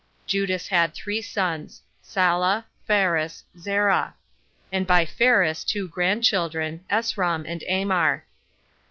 Judas had three sons Sala, Phares, Zerah; and by Phares two grandchildren, Esrom and Amar.